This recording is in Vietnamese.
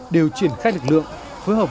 để trang chống bão tiếp đến các khu khác